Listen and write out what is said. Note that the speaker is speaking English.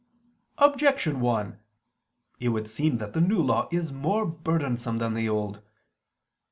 Objection 1: It would seem that the New Law is more burdensome than the Old.